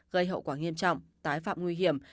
gây hậu quả nghiêm trọng tái phạm nguy hiểm